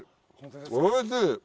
おいしい！